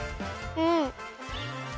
うん。